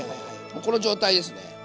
この状態ですね。